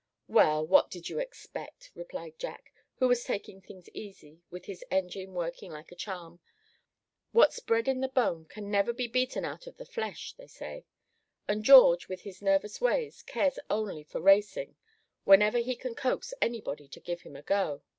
"Well, what did you expect?" replied Jack, who was taking things easy, with his engine working like a charm, "what's bred in the bone can never be beaten out of the flesh, they say; and George, with his nervous ways, cares only for racing, whenever he can coax anybody to give him a go.